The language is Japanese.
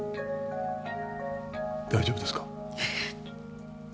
大丈夫ですか？